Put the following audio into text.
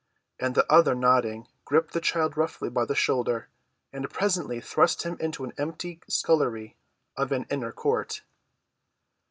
And the other nodding, gripped the child roughly by the shoulder, and presently thrust him into an empty scullery of an inner court.